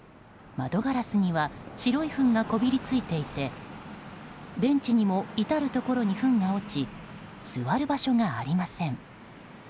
窓ガラスには、白いふんがこびりついていてベンチにも至るところにふんが落ち座る場所がありません。